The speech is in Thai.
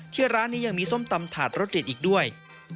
ที่ร้านนี้ยังมีส้มตำถาดรสเด็ดอีกด้วย